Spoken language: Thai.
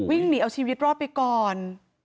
วิ่งหนีเอาชีวิตรอดไปก่อน